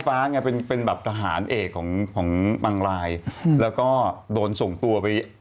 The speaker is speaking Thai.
ใช่ค่ะว้าวทำไมใช่ได้